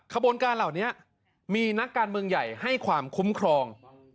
ขบวนการเหล่านี้มีนักการเมืองใหญ่ให้ความคุ้มครอง